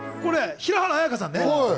平原綾香さんね。